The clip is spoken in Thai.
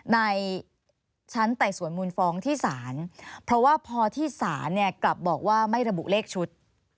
ในชั้นไต่สวนมูลฟ้องที่ศาลเพราะว่าพอที่ศาลเนี่ยกลับบอกว่าไม่ระบุเลขชุด